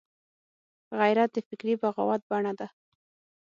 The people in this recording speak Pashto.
غیرت د فکري بغاوت بڼه ده